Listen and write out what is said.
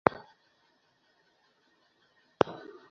ভেবেছিলুম, সন্দীপবাবু একেবারে খেতে যখন বসবেন তখন তাঁর সামনে বেরোব।